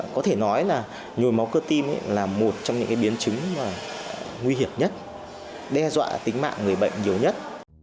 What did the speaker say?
có thể nói là nhồi máu cơ tim là một trong những biến chứng nguy hiểm nhất đe dọa tính mạng người bệnh nhiều nhất